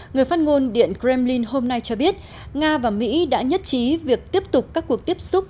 người phát ngôn điện kremlin hôm nay cho biết nga và mỹ đã nhất trí việc tiếp tục các cuộc tiếp xúc